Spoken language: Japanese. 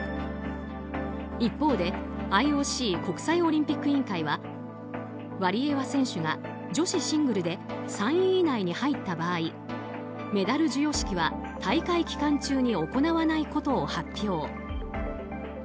一方で、ＩＯＣ・国際オリンピック委員会はワリエワ選手が女子シングルで３位以内に入った場合メダル授与式は大会期間中に行わないことを発表。